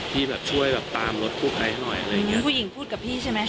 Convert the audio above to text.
พี่แบบช่วยแบบตามรถกู้ภัยให้หน่อยอะไรอย่างเงี้ผู้หญิงพูดกับพี่ใช่ไหม